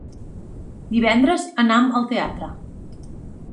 Divendres anam al teatre.